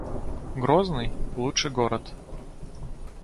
Грозный — лучший город